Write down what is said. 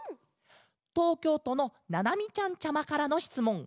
とうきょうとのななみちゃんちゃまからのしつもん。